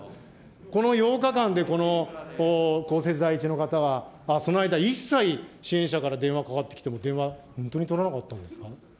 この８日間で、この公設第１の方は、その間、一切支援者から電話かかってきても、電話本当に取らなかったんですか。